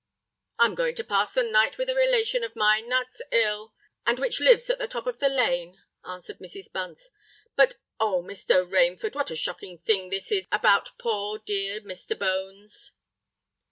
"I'm going to pass the night with a relation of mine that's ill, and which lives at the top of the Lane," answered Mrs. Bunce. "But, Oh! Mr. Rainford, what a shocking thing this is about poor dear Mr. Bones!"